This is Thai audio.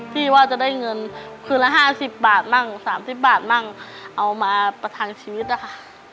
ที่จะได้เงินคืนละ๕๐บาทมั่ง๓๐บาทมั่งเอามาประทังชีวิตนะคะ